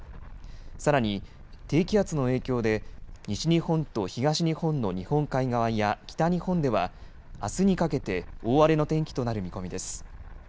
さらに、低気圧の影響で西日本と東日本の日本海側や北日本ではあすにかけて大荒れの天気となる見込みです。